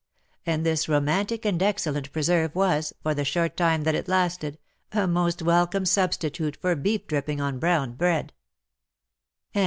And this romantic and excellent pre serve was, for the short time that it lasted, a most welcome substitute for beef dripping on brown bread.